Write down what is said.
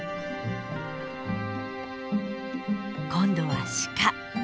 今度は鹿。